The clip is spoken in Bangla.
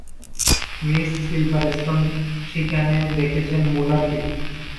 মিস সিলভারষ্টোন সেখানে দেখেছেন মুলারকে।